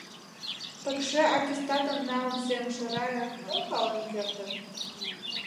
Пыкше аттестатым налын сеҥыше Рая мом пален кертын?